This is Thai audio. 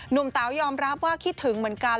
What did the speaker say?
เต๋ายอมรับว่าคิดถึงเหมือนกัน